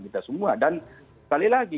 kita semua dan sekali lagi